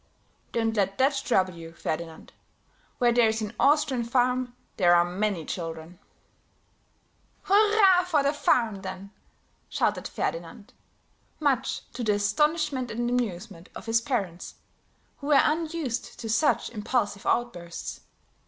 "Don't let that trouble you, Ferdinand; where there's an Austrian farm there are many children." "Hurrah for the farm, then!" shouted Ferdinand, much to the astonishment and amusement of his parents, who were unused to such impulsive outbursts.